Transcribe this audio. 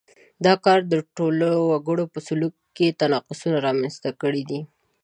دا کار د ټولنو وګړو په سلوک کې تناقضونه رامنځته کړي دي.